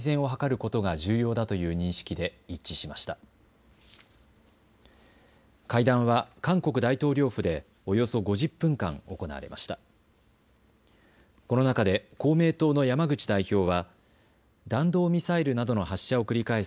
この中で公明党の山口代表は弾道ミサイルなどの発射を繰り返す